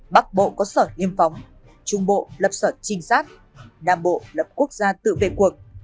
bắc bộ có sở nghiêm phóng trung bộ lập sở trinh sát nam bộ lập quốc gia tự về cuộc